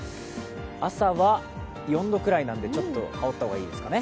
朝は４度くらいなのでちょっと羽織った方がいいですかね。